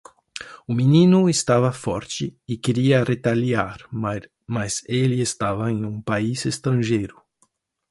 O menino estava forte? e queria retaliar?, mas ele estava em um país estrangeiro.